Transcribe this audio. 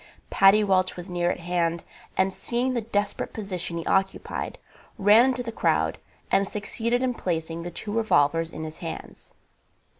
Paddy Welch was near at hand, and seeing the desperate position he occupied, ran into the crowd and succeeded in placing the two revolvers in his hands.